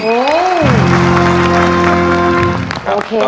โอเคไหม